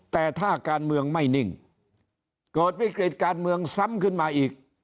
แต่ถ้าการเมืองไม่นิ่งเกิดวิกฤติการเมืองซ้ำขึ้นมาอีก